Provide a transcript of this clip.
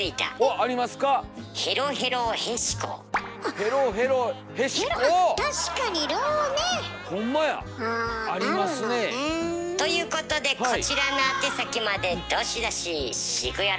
あなるのねえ。ということでこちらの宛先までどしどししくよろ！